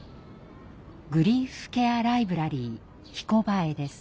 グリーフケアライブラリー「ひこばえ」です。